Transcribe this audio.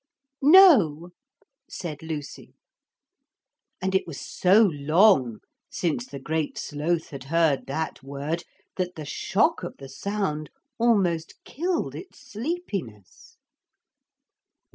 'No,' said Lucy, and it was so long since the Great Sloth had heard that word that the shock of the sound almost killed its sleepiness.